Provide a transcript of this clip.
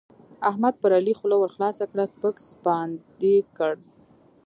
احمد پر علي خوله ورخلاصه کړه؛ سپک سپاند يې کړ.